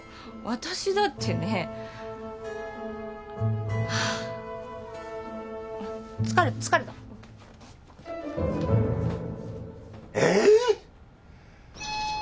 私だってねはあっ疲れた疲れたえっ？